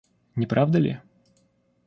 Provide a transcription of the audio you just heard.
Не правда ли?